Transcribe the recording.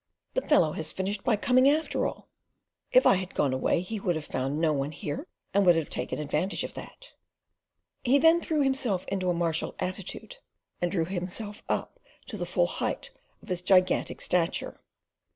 The fellow has finished by coming, after all. If I had gone away he would have found no one here and would have taken advantage of that." He then threw himself into a martial attitude, and drew himself up to the full height of his gigantic stature.